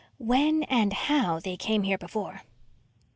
"When and how they came here before."